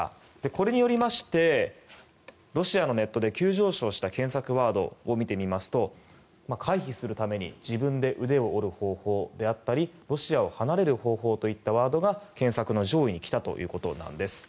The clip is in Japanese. これによりましてロシアのネットで急上昇した検索ワードを見てみますと回避するために「自分で腕を折る方法」だったり「ロシアを離れる方法」といったワードが検索の上位に来たということなんです。